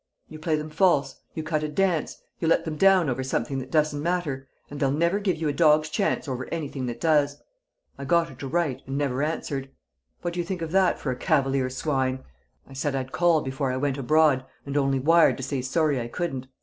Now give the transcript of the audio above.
You play them false, you cut a dance, you let them down over something that doesn't matter, and they'll never give you a dog's chance over anything that does! I got her to write and never answered. What do you think of that for a cavalier swine? I said I'd call before I went abroad, and only wired to say sorry I couldn't.